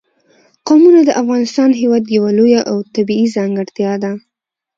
قومونه د افغانستان هېواد یوه لویه او طبیعي ځانګړتیا ده.